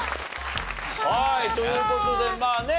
はいという事でまあね